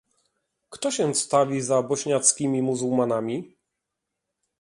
Kto się wstawi za bośniackimi muzułmanami?